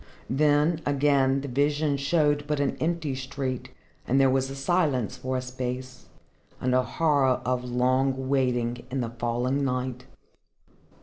Then, again, the vision showed but an empty street and there was silence for a space, and a horror of long waiting in the falling night.